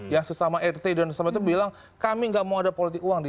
ya sesama rt dan sesama itu bilang kami gak mau ada politik uang di